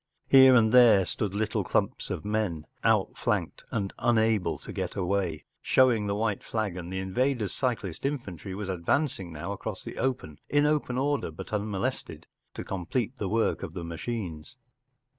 Here and there stood little clumps of men, outflanked and unable to get away, showing the white flag, and the THE LAND IRONCLADS. 759 invader’s cyclist infantry was advancing now across the open, in open order but unmolested, to complete the work of the machines.